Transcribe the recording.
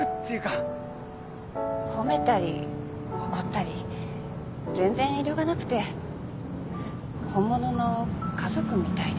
褒めたり怒ったり全然遠慮がなくて本物の家族みたいで。